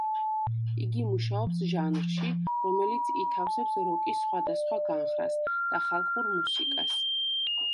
იგი მუშაობს ჟანრში, რომელიც ითავსებს როკის სხვადასხვა განხრას და ხალხურ მუსიკას.